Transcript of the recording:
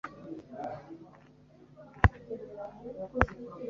yabibutsaga ivanwa mu bucakara mu gihugu cya Misiri